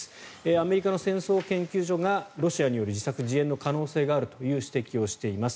アメリカの戦争研究所がロシアによる自作自演の可能性があるという指摘をしています。